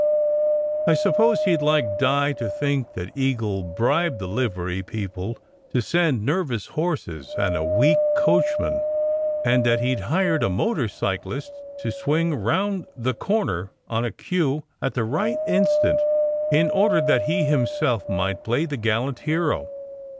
I suppose he d like Di to think that Eagle bribed the livery people to send nervous horses and a weak coachman, and that he hired a motor cyclist to swing round the corner on a cue at the right instant, in order that he himself might play the gallant hero.